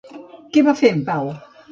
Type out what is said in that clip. Què va fer en Pau?